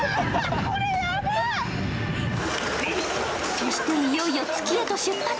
そして、いよいよ月へと出発。